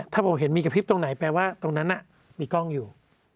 ถ้าผมเห็นมีกระพริบตรงไหนแปลว่าตรงนั้นมีกล้องอยู่